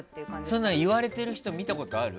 それは言われてる人見たことある？